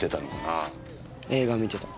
映画観てた。